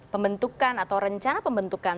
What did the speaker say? pembentukan atau rencana pembentukan